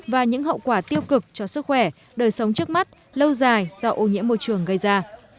và những hậu quả tiêu cực cho sức khỏe đời sống trước mắt lâu dài do ô nhiễm môi trường gây ra